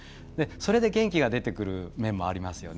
それで元気が出てくる面もありますよね。